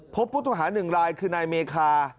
พบผู้ต้องหาหนึ่งลายคือนายเมคา